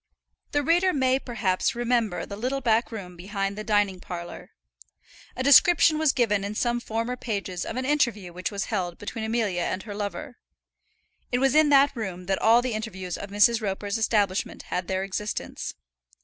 The reader may, perhaps, remember the little back room behind the dining parlour. A description was given in some former pages of an interview which was held between Amelia and her lover. It was in that room that all the interviews of Mrs. Roper's establishment had their existence.